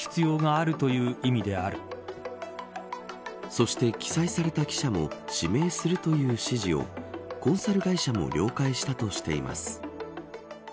そして、記載された記者も指名するという指示をコンサル会社も了解したとしています。